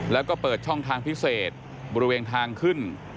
แล้วก็เปิดช่องทางพิเศษบริเวณทางขึ้น